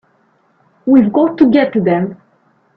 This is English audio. We've got to get to them!